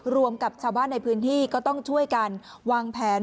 รวมกับชาวบ้านในพื้นที่ก็ต้องช่วยกันวางแผน